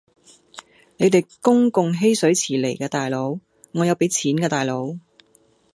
你哋公共嬉水池嚟㗎大佬，我有俾錢㗎大佬